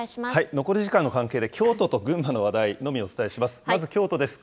残り時間の関係で、京都と群馬の話題のみをお伝えします。